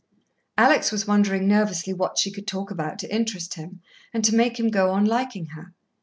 Alex was wondering nervously what she could talk about to interest him, and to make him go on liking her.